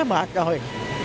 không có bệnh đã mệt rồi